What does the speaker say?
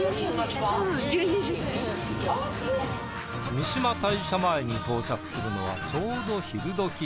三嶋大社前に到着するのはちょうど昼どき。